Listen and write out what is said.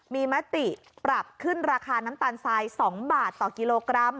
มีมติปรับขึ้นราคาน้ำตาลทราย๒บาทต่อกิโลกรัม